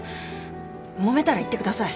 もめたら言ってください。